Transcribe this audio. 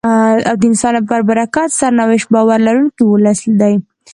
او د انسان پر نېکمرغه سرنوشت باور لرونکی ولس دی.